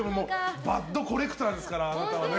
バッドコレクターですからあなたは。